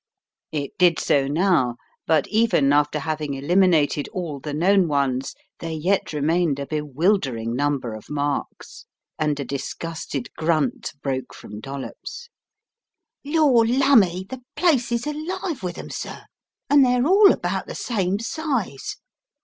It did so now, but even after having eliminated 140 The Riddle of the Purple Emperor all the known ones there yet remained a bewildering number of marks, and a disgusted grunt broke from Dollops. "Lor* lumme, the place is alive with them, sir, and they're all about the same size.